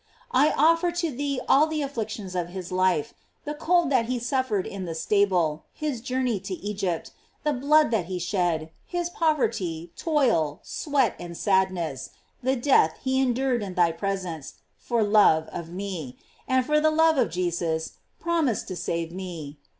I offer to thee all the afflictions of his life, the cold that he suffered in the stable, his journey to Egypt, the blood that he shed, his poverty, toil, sweat, and sad ness, the death he endured in thy presence, for love of me ; and, for the love of Jesus, promise to save me.